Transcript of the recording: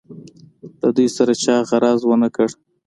له دوی سره چا غرض ونه کړ.